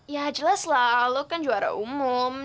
ya jelas lah lo kan juara umum